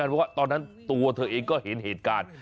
เพราะว่าตอนนั้นตัวเธอเองก็เห็นเหตุการณ์